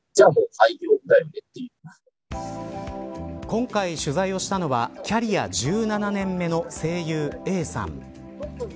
今回取材をしたのはキャリア１７年目の声優Ａさん。